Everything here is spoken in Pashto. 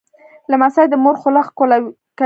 لمسی د مور خوله ښکوله کوي.